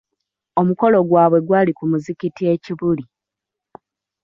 Omukolo gwabwe gwali ku muzigiti e kibuli.